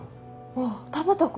あっ田畑君。